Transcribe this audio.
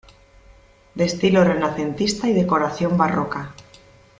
De estilo renacentista y decoración barroca.